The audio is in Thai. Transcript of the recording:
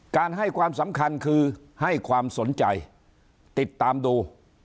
ให้ความสำคัญคือให้ความสนใจติดตามดู